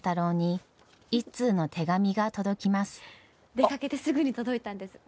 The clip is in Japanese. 出かけてすぐに届いたんです。